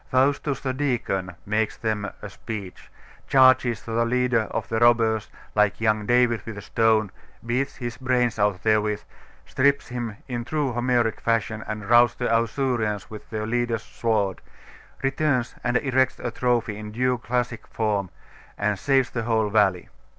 Faustus, the deacon, makes them a speech; charges the leader of the robbers, like young David, with a stone, beats his brains out therewith, strips him in true Homeric fashion, and routs the Ausurians with their leader's sword; returns and erects a trophy in due classic form, and saves the whole valley.